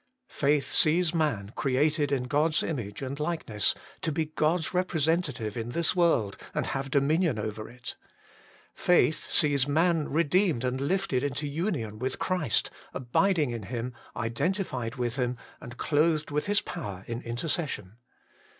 Faith sees man created in God s image and likeness to be God s representative in this world and have dominion over it. Faith sees man redeemed and lifted into union with Christ, abiding in Him, identified with Him, and clothed with His power in intercession.